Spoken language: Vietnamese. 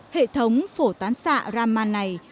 hệ thống phổ tán xạ raman này